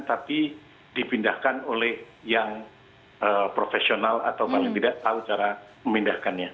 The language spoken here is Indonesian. tapi dipindahkan oleh yang profesional atau paling tidak tahu cara memindahkannya